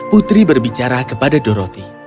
putri berbicara kepada dorothy